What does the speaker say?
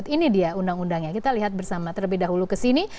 ini dia undang undangnya kita lihat bersama terlebih dahulu ke sini